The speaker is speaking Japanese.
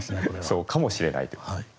そうかもしれないという。